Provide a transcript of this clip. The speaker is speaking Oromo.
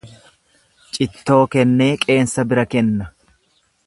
Cittoo kennee qeensa bira kenna.